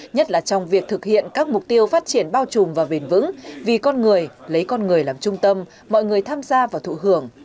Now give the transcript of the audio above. phát triển bao trùm và bền vững vì con người lấy con người làm trung tâm mọi người tham gia và thụ hưởng